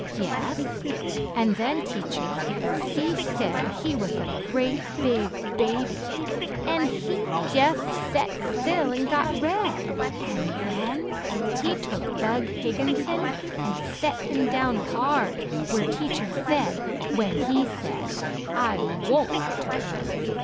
"Yeth, an' then teatcher, thshe thaid he wath a great big baby, an' he jeth thet thtill an' got red, an' then he took Bug Higginthon an' thet him down hard where teacher thaid, when he'd thaid, 'I won't' to her.